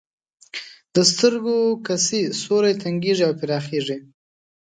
د سترګو کسي سوری تنګیږي او پراخیږي.